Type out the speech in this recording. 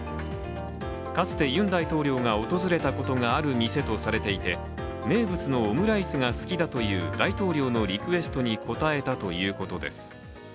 かつてユン大統領が訪れたことがあるとされていて名物のオムライスが好きだという大統領のリクエストに応えたということです。